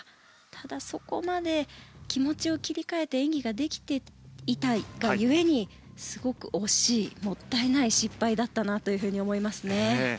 ただそこまで気持ちを切り替えて演技ができていたが故にすごく惜しいもったいない失敗だったなと思いますね。